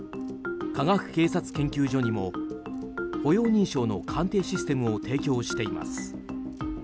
科学警察研究所にも歩容認証の鑑定システムを提供しています。